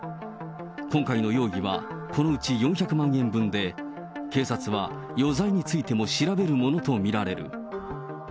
今回の容疑は、このうち４００万円分で、警察は余罪についても調べるものと見られる。